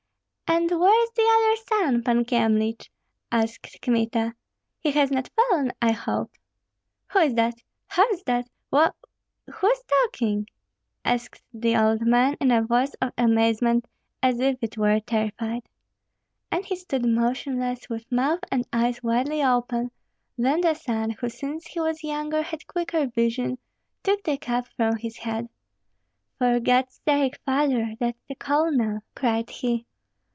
"And where is the other son, Pan Kyemlich?" asked Kmita; "he has not fallen, I hope." "Who is that how is that what who is talking?" asked the old man, in a voice of amazement and as it were terrified. And he stood motionless, with mouth and eyes widely open; then the son, who since he was younger had quicker vision, took the cap from his head. "For God's sake, father! that's the colonel!" cried he.